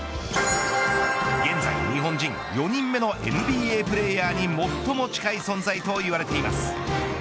現代、日本人４人目のＮＢＡプレーヤーに最も近い存在と言われています。